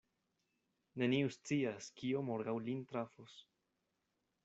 Neniu scias, kio morgaŭ lin trafos.